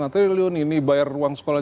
lima triliun ini bayar uang sekolah